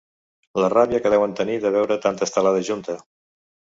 La ràbia que deuen tenir de veure tanta estelada junta.